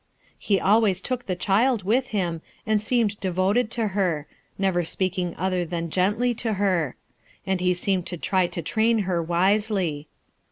lie always took the child with him and seemed devoted to her, never speaking other than gently to her; and he seemed to try to train her wisely.